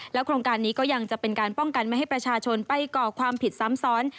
โครงการนี้ก็ยังจะเป็นการป้องกันไม่ให้ประชาชนไปก่อความผิดซ้ำซ้อน